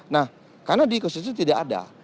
nah karena di konstitusi tidak ada